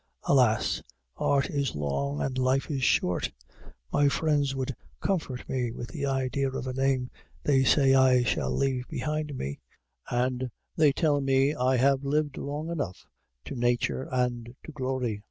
Alas! art is long, and life is short! My friends would comfort me with the idea of a name they say I shall leave behind me; and they tell me I have lived long enough to nature and to glory.